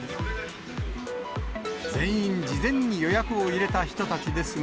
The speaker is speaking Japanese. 全員、事前に予約を入れた人たちですが、